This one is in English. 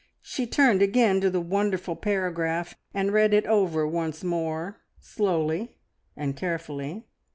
She turned again to the wonderful paragraph, and read it over once more slowly and carefully.